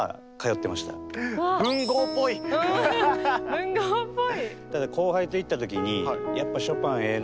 文豪っぽい！